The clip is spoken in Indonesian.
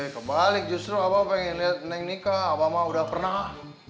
kebalik justru bapak pengen lihat neng nikah bapak udah pernah